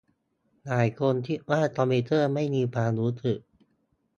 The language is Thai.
หลายคนคิดว่าคอมพิวเตอร์ไม่มีความรู้สึก